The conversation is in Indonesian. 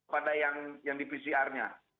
pada yang di pcr nya